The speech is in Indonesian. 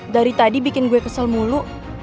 dari tadi bikin gue kesel mulu